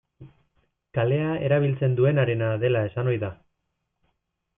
Kalea erabiltzen duenarena dela esan ohi da.